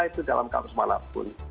itu di dalam kampus mana pun